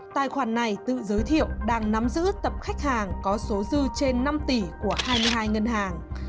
tài khoản này tự giới thiệu đang nắm giữ tập khách hàng có số dư trên năm tỷ của hai mươi hai ngân hàng